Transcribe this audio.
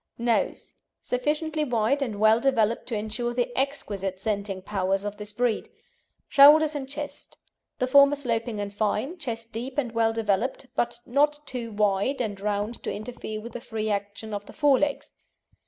NOSE Sufficiently wide and well developed to ensure the exquisite scenting powers of this breed. SHOULDERS AND CHEST The former sloping and fine, chest deep and well developed, but not too wide and round to interfere with the free action of the fore legs.